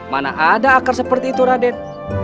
mana ada akar seperti itu raden